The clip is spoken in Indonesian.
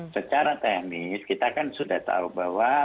secara teknis kita kan sudah tahu bahwa